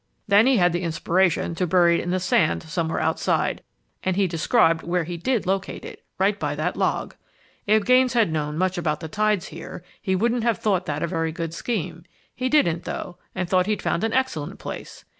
Then he had the inspiration to bury it in the sand somewhere outside, and he described where he did locate it, right by that log. If Gaines had known much about the tides here, he wouldn't have thought that a very good scheme. He didn't, though, and thought he'd found an excellent place.